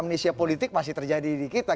amnesia politik masih terjadi di kita